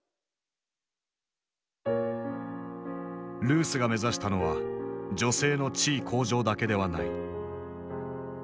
ルースが目指したのは女性の地位向上だけではない。